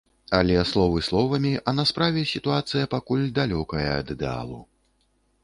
Але словы словамі, а на справе сітуацыя пакуль далёкая ад ідэалу.